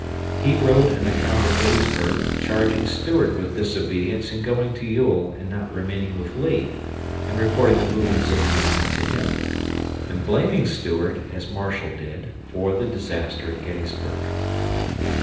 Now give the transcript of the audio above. He wrote an account of Gettysburg charging Stuart with disobedience in going to Ewell and not remaining with Lee and reporting the movements of the enemy to him, and blaming Stuart, as Marshall did, for the disaster at Gettysburg.